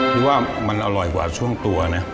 ที่ว่ามันอร่อยกว่าช่วงตัวนะ